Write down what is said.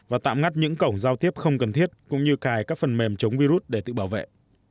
và tạm ngắt những cổng giao tiếp không cần thiết cũng như cài các phần mềm chống virus để tự bảo vệ